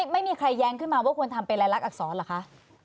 ไม่มีใครแย้งขึ้นมาว่าควรทำเป็นรายลักษรเหรอคะ